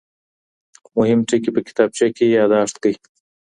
مهم ټکي په کتابچه کي يادداشت کړئ.